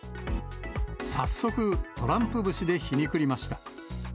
早速、トランプ節で皮肉りました。